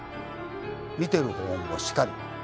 見てる方もしかり。